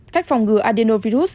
cách phòng ngừa adenovirus